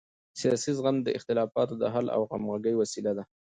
سیاسي زغم د اختلافاتو د حل او همغږۍ وسیله ده